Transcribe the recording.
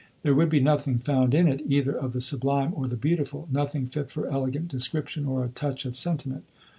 There would be nothing found in it, either of the sublime or the beautiful; nothing fit for elegant description or a touch of sentiment.